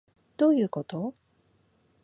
どういうこと？